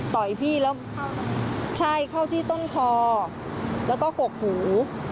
พี่แล้วใช่เข้าที่ต้นคอแล้วก็กกหู